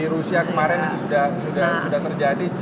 rusia kemarin itu sudah terjadi